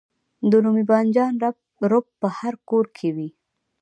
د رومي بانجان رب په هر کور کې وي.